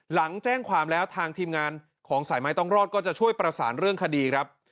หลังแจ้งความแล้วทางทีมงานของสายไม้ต้องรอดก็จะช่วยประสานเรื่องคดีครับ